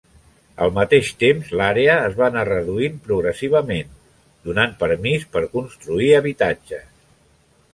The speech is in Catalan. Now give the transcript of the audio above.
Al mateix temps, l'àrea es va anar reduint progressivament, donant permís per construir habitatges.